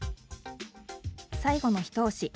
最後の一押し。